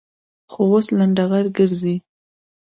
خو اوس لنډغر گرځي.